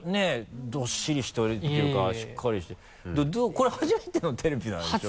これ初めてのテレビなんでしょ？